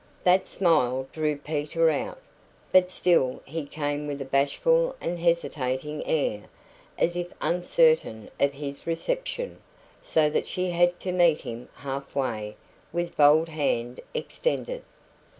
That smile drew Peter out. But still he came with a bashful and hesitating air, as if uncertain of his reception; so that she had to meet him half way, with bold hand extended.